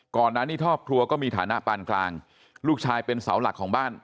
ก่อนหน้านี้ครอบครัวก็มีฐานะปานกลางลูกชายเป็นเสาหลักของบ้าน